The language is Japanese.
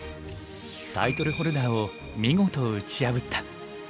タイトルホルダーを見事打ち破った。